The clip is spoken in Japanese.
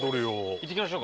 行ってきましょうか。